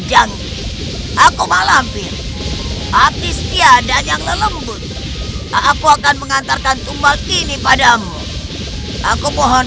tangi aku malam piru artis tiada yang lembut aku akan mengantarkan tumbal kini padamu aku mohon